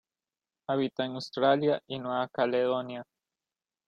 Habita en Australia y Nueva Caledonia.